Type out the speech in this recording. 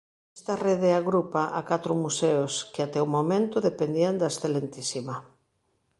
Esta rede agrupa a catro museos que até o momento dependían da Excma.